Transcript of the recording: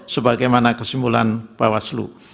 sebagaimana kesimpulan bawah seluruh